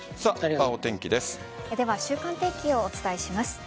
では、週間天気をお伝えします。